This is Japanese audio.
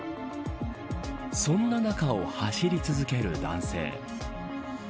そんな中を走り続ける男性。